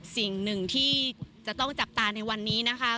สิ่งหนึ่งที่จะต้องจับตาในวันนี้นะคะ